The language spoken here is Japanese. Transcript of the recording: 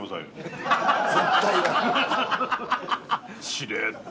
しれっと。